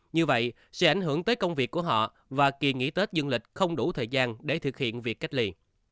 như vậy sẽ ảnh hưởng tới công việc của họ và kỳ nghỉ tết dương lịch không đủ thời gian để thực hiện việc cách ly